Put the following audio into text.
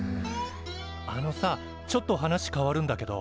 あのさちょっと話変わるんだけど。